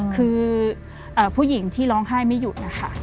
คือผู้หญิงที่ร้องไห้ไม่หยุดนะคะ